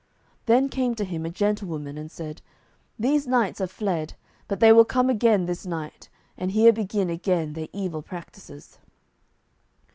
Then came to him a gentlewoman, and said, "These knights are fled, but they will come again this night, and here begin again their evil practices."